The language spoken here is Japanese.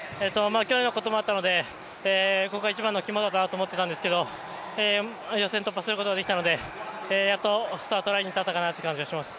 去年のこともあったので、ここが一番の肝だと思っていたんですけど予選突破することができたので、やっとスタートラインに立ったかなという感じがします。